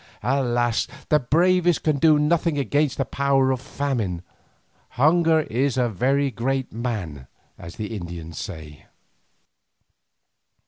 Alas! the bravest can do nothing against the power of famine. Hunger is a very great man, as the Indians say.